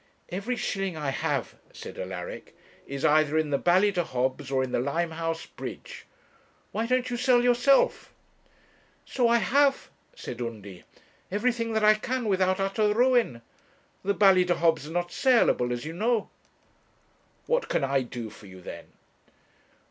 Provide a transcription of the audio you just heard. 'Every shilling I have,' said Alaric, 'is either in the Ballydehobs or in the Limehouse Bridge. Why don't you sell yourself?' 'So I have,' said Undy; 'everything that I can without utter ruin. The Ballydehobs are not saleable, as you know.' 'What can I do for you, then?'